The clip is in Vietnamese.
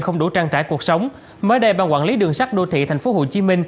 không đủ trang trải cuộc sống mới đây ban quản lý đường sắt đô thị tp hcm